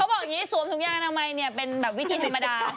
เขาบอกอย่างนี้สวมถุงยากน้ำใหม่เป็นแบบวิธีธรรมดา